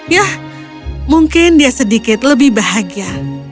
yah mungkin dia sedikit lebih bahagia